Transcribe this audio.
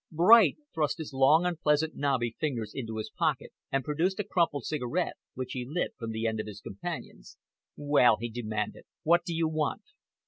Bright thrust his long, unpleasant, knobby fingers into his pocket, and produced a crumpled cigarette, which he lit from the end of his companion's. "Well," he demanded, "what do you want?"